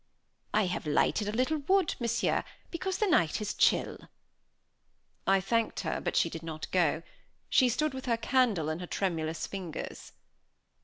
"I have lighted a little wood, Monsieur, because the night is chill." I thanked her, but she did not go. She stood with her candle in her tremulous fingers.